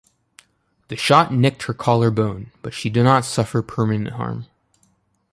The shot nicked her collar bone but she did not suffer permanent harm.